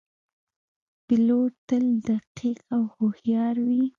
پیلوټ تل دقیق او هوښیار وي.